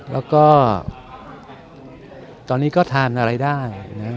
แล้วก็ตอนนี้ก็ทานอะไรได้นะ